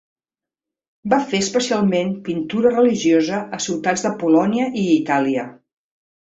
Va fer especialment pintura religiosa a ciutats de Polònia i Itàlia.